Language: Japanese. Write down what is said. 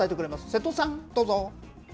瀬戸さん、どうぞ。